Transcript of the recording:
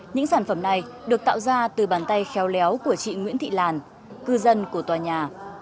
những sản phẩm này được tạo ra từ bàn tay khéo léo của chị nguyễn thị làn cư dân của tòa nhà